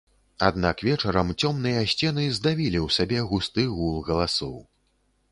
Аднак вечарам цёмныя сцены здавілі ў сабе густы гул галасоў.